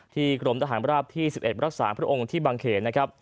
ในกรมตะหารราบที่๑๑รักษาพระองค์ที่บางเขณฑ์